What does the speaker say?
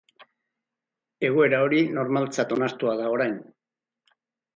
Egoera hori normaltzat onartua da orain.